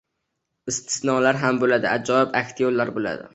Istisnolar ham boʻladi, ajoyib aktyorlar boʻladi